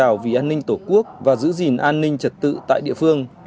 bảo vệ an ninh tổ quốc và giữ gìn an ninh trật tự tại địa phương